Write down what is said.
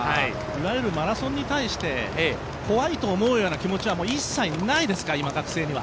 いわゆるマラソンに対して、怖いという気持ちは一切学生にはないですか？